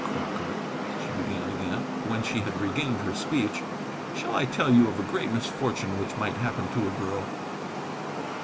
Crocker," she began again, when she had regained her speech, "shall I tell you of a great misfortune which might happen to a girl?"